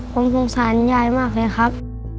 ผมสงสารยายมากเลยครับ